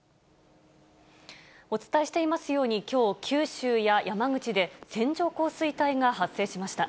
お伝えしていますように、きょう、九州や山口で線状降水帯が発生しました。